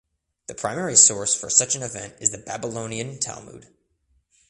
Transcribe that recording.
The primary source for such an event is the Babylonian Talmud.